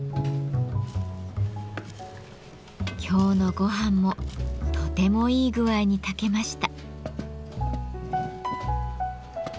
今日のごはんもとてもいい具合に炊けました。